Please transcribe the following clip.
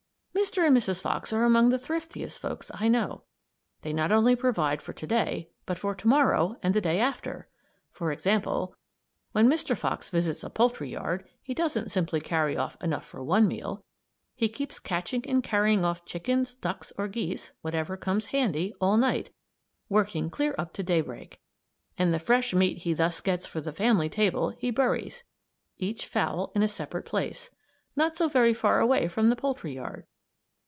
Mr. and Mrs. Fox are among the thriftiest folks I know. They not only provide for to day, but for to morrow and the day after. For example, when Mr. Fox visits a poultry yard, he doesn't simply carry off enough for one meal. He keeps catching and carrying off chickens, ducks, or geese whatever comes handy all night; working clear up to daybreak. And the fresh meat he thus gets for the family table he buries each fowl in a separate place not so very far away from the poultry yard.